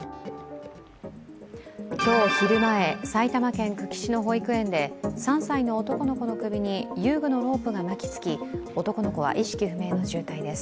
今日昼前、埼玉県久喜市の保育園で３歳の男の子の首に遊具のロープが巻きつき、男の子は意識不明の重体です。